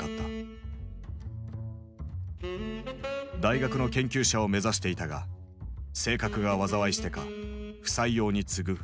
大学の研究者を目指していたが性格が災いしてか不採用に次ぐ不採用。